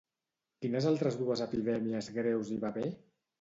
Quines altres dues epidèmies greus hi va haver?